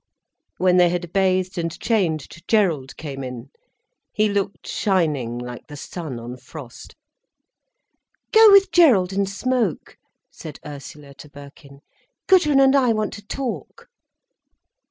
When they had bathed and changed, Gerald came in. He looked shining like the sun on frost. "Go with Gerald and smoke," said Ursula to Birkin. "Gudrun and I want to talk."